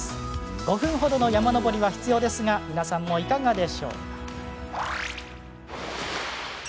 ５分程の山登りは必要ですが皆さんも、いかがですか？